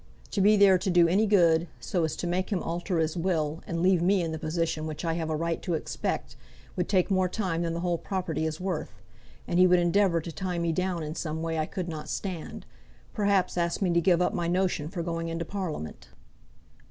To be there to do any good, so as to make him alter his will, and leave me in the position which I have a right to expect, would take more time than the whole property is worth. And he would endeavour to tie me down in some way I could not stand; perhaps ask me to give up my notion for going into Parliament."